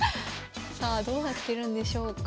さあどうなってるんでしょうか？